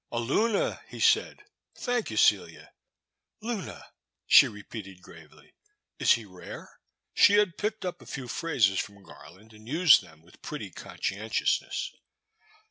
'' A Luna," he said, '' thank you, Celia." *' Luna," she repeated gravely, *' is he rare ?" She had picked up a few phrases from Garland and used them with pretty conscientiousness.